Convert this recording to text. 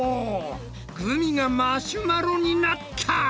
グミがマシュマロになった！